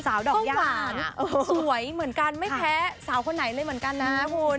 ดอกยานสวยเหมือนกันไม่แพ้สาวคนไหนเลยเหมือนกันนะคุณ